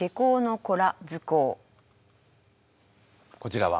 こちらは？